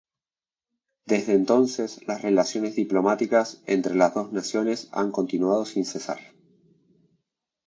Desde entonces, las relaciones diplomáticas entre las dos naciones han continuado sin cesar.